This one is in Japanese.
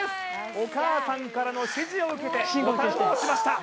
お母さんからの指示を受けてボタンを押しました